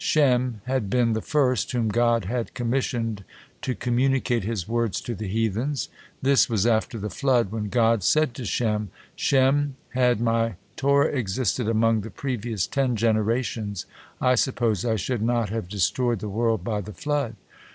Shem had been the first whom God had commissioned to communicate His words to the heathens. This was after the flood, when God said to Shem: 'Shem, had My Torah existed among the previous ten generations, I suppose I should not have destroyed the world by the flood.